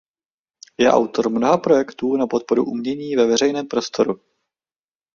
Je autor mnoha projektů na podporu umění ve veřejném prostoru.